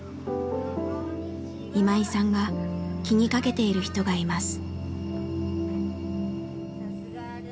今井さんが気にかけている人がいます。